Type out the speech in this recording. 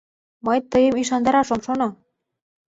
Мый тыйым ӱшандараш ом шоно.